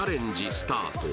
スタート